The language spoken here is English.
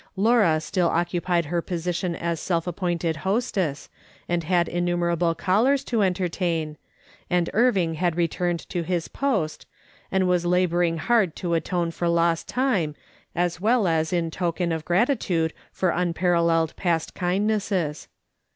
Laura still occupied her position as self appointed hostess, and had innumerable callers to entertain, and Irving had returned to his post, and was labouring hard to atone for lost time, as well as in token of gratitude for unparalleled past kind nesses.